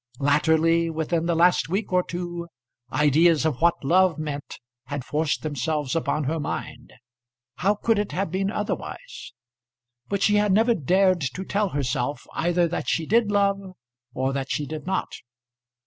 Latterly, within the last week or two, ideas of what love meant had forced themselves upon her mind. How could it have been otherwise? But she had never dared to tell herself either that she did love, or that she did not.